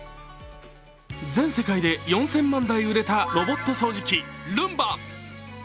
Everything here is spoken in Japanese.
全世界で４０００万台売れたロボット掃除機ルンバ。